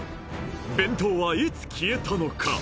弁当はいつ消えたのか？